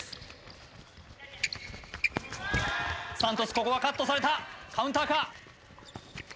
ここはカットされたカウンターか？